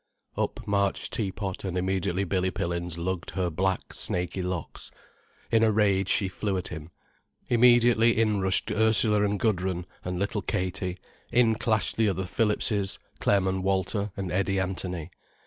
Up marched Tea pot, and immediately Billy Pillins lugged her black, snaky locks. In a rage she flew at him. Immediately in rushed Ursula and Gudrun, and little Katie, in clashed the other Phillipses, Clem and Walter, and Eddie Anthony.